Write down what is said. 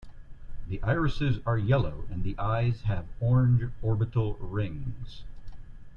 The irises are yellow and the eyes have orange orbital rings.